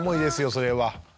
それは。